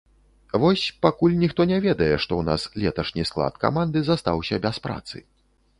Вось, пакуль ніхто не ведае, што ў нас леташні склад каманды застаўся без працы.